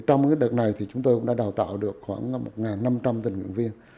trong đợt này chúng tôi đã đào tạo được khoảng một năm trăm linh tình nguyện viên